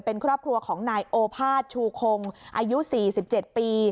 เป็นครอบครัวของนายโอภาษชูคงอายุ๔๗ปี